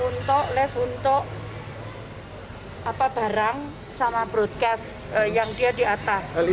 untuk lift untuk barang sama broadcast yang dia di atas